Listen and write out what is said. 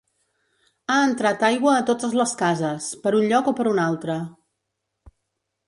Ha entrat aigua a totes les cases, per un lloc o per un altre.